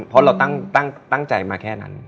เพราะเราตั้งใจมาแค่นั้น